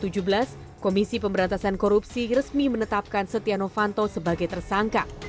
tujuh belas juli dua ribu tujuh belas komisi pemberantasan korupsi resmi menetapkan setianofanto sebagai tersangka